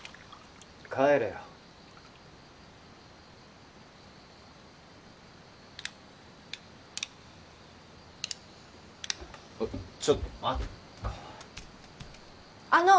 帰れよえっちょっと待っあの！